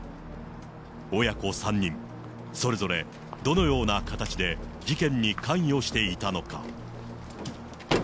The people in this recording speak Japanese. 親子３人、それぞれどのような形で事件に関与していたのか。